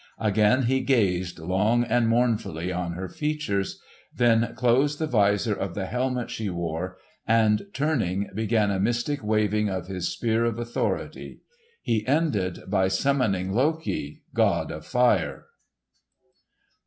Again he gazed long and mournfully on her features, then closed the visor of the helmet she wore, and turning began a mystic waving of his Spear of Authority. He ended by summoning Loki, god of fire.